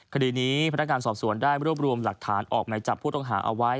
คดีนี้พนักงานสอบสวนได้รวบรวมหลักฐานออกหมายจับผู้ต้องหาเอาไว้